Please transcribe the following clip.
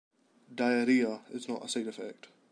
Diarrhea is not a side effect.